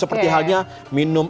seperti halnya minum